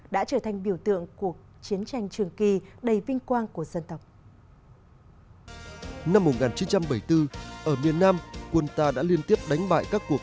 đã trở thành biểu tượng cuộc chiến tranh trường kỳ đầy vinh quang của dân tộc